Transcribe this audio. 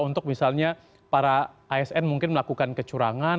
untuk misalnya para asn mungkin melakukan kecurangan